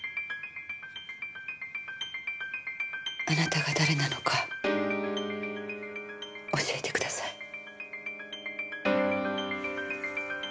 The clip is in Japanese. あなたが誰なのか教えてください。